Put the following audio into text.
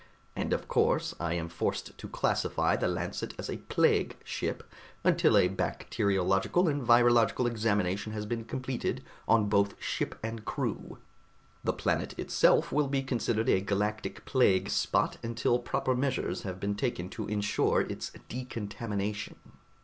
And of course I am forced to classify the Lancet as a plague ship until a bacteriological and virological examination has been completed on both ship and crew. The planet itself will be considered a galactic plague spot until proper measures have been taken to insure its decontamination."